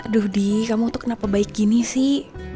duh di kamu tuh kenapa baik gini sih